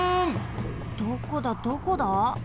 どこだどこだ？